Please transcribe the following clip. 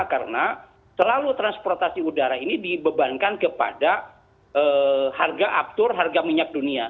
karena selalu transportasi udara ini dibebankan kepada harga aptur harga minyak dunia